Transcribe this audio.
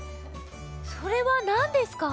それはなんですか？